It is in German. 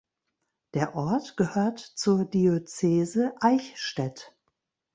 Der Ort gehört zur Diözese Eichstätt.